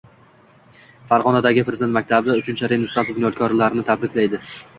Farg‘onadagi Prezident maktabi Uchinchi Renessans bunyodkorlarini tarbiyalayding